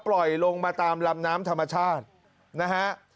ปล่อยลงมาตามลำน้ำธรรมชาตินะฮะ